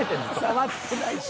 触ってないし。